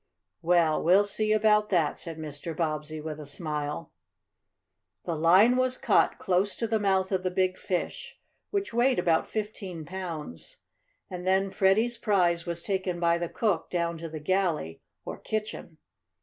"Well, we'll see about that," said Mr. Bobbsey with a smile. The line was cut, close to the mouth of the big fish, which weighed about fifteen pounds, and then Freddie's prize was taken by the cook down to the galley, or kitchen.